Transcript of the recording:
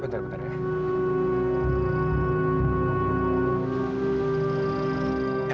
bentar bentar ya